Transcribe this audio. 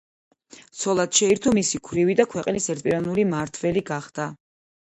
ცოლად შეირთო მისი ქვრივი და ქვეყნის ერთპიროვნული მმართველი გახდა.